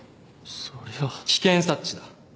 それは危険察知だ